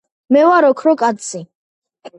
მე ვარ ოქრო კაცი